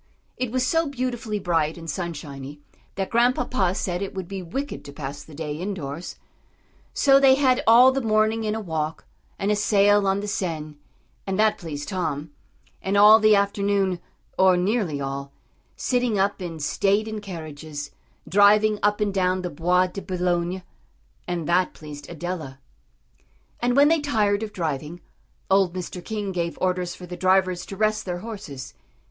It was so beautifully bright and sunshiny, that Grandpapa said it would be wicked to pass the day indoors; so they had all the morning in a walk, and a sail on the Seine, and that pleased Tom, and all the afternoon, or nearly all, sitting up in state in carriages, driving up and down the Bois de Boulogne. And that pleased Adela. And when they tired of driving, old Mr. King gave orders for the drivers to rest their horses.